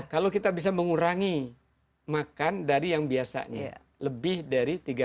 kalau kita bisa mengurangi makan dari yang biasanya lebih dari tiga puluh